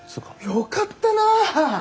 よかったな。